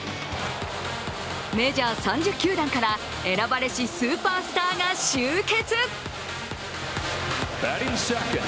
メジャー３０球団から選ばれしスーパースターが集結。